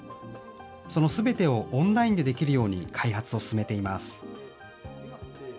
そのすべてをオンラインでできるように開発を進めています。